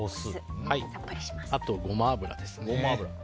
あと、ゴマ油ですね。